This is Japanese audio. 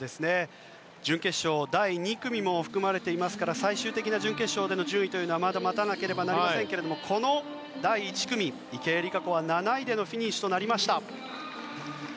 準決勝第２組も含まれていますから最終的な準決勝での順位はまだ待たなければなりませんけれどもこの第１組、池江璃花子は７位でのフィニッシュとなりました。